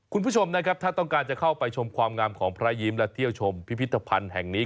คุณผู้ชมนะครับถ้าต้องการจะเข้าไปชมความงามของพระยิ้มและเที่ยวชมพิพิธภัณฑ์แห่งนี้